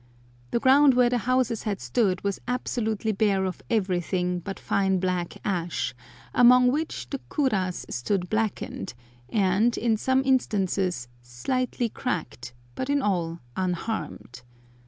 The ground where the houses had stood was absolutely bare of everything but fine black ash, among which the kuras stood blackened, and, in some instances, slightly cracked, but in all unharmed.